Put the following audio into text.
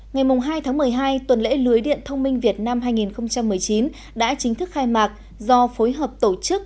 ngày hai tháng một mươi hai tuần lễ lưới điện thông minh việt nam hai nghìn một mươi chín đã chính thức khai mạc do phối hợp tổ chức